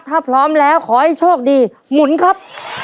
ถ้าพร้อมแล้วขอให้โชคดีหมุนครับ